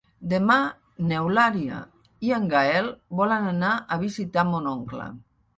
Demà n'Eulàlia i en Gaël volen anar a visitar mon oncle.